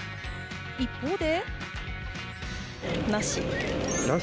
一方で。